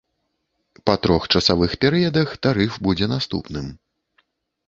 Па трох часавых перыядах тарыф будзе наступным.